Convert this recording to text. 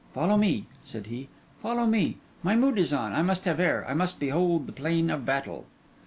'Follow me,' said he, 'follow me. My mood is on; I must have air, I must behold the plain of battle.